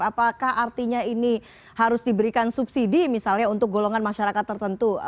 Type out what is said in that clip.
apakah artinya ini harus diberikan subsidi misalnya untuk golongan masyarakat tertentu